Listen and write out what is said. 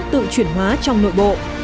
tự chuyển hóa trong nội bộ